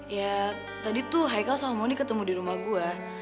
ya tadi tuh haikal sama moni ketemu di rumah gue